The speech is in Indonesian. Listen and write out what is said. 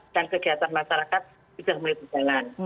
dan kegiatan masyarakat sudah mulai berjalan